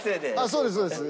そうですそうです。